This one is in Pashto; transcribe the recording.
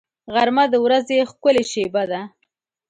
غرمه د ورځې ښکلې شېبه ده